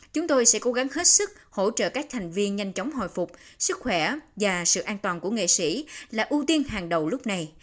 chúng tôi sẽ cố gắng hết sức hỗ trợ các thành viên nhanh chóng hồi phục sức khỏe và sự an toàn của nghệ sĩ là ưu tiên hàng đầu lúc này